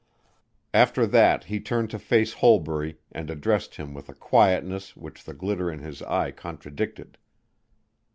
After that he turned to face Holbury and addressed him with a quietness which the glitter in his eye contradicted.